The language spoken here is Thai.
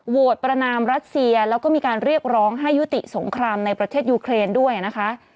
ประนามรัสเซียแล้วก็มีการเรียกร้องให้ยุติสงครามในประเทศยูเครนด้วยนะคะ